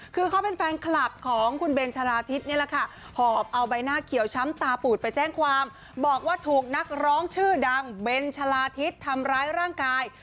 คือเขาเป็นแฟนคลับของคุณเบนชะลาทิศนี่แหละค่ะหอบเอาใบหน้าเขียวช้ำตาปูดไปแจ้งความบอกว่าถูกนักร้องชื่อดังเบนชะลาทิศทำร้ายร่างกาย